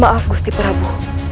maaf gusti prabu